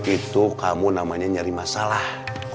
itu kamu namanya nyari masalah